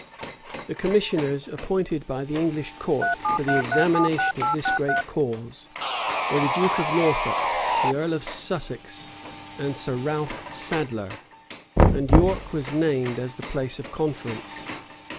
The Commissioners appointed by the English court for the examination of this great cause, were the duke of Norfolk, the earl of Sussex, and Sir Ralph Sadler; and York was named as the place of conference.